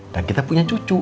dan kita punya cucu